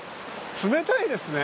冷たいですね。